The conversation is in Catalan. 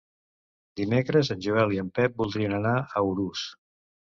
Dimecres en Joel i en Pep voldrien anar a Urús.